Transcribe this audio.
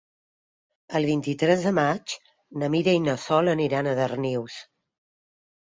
El vint-i-tres de maig na Mira i na Sol aniran a Darnius.